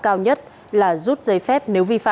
cao nhất là rút giấy phép